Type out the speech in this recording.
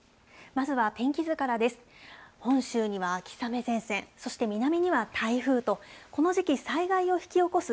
まずは天気図からです。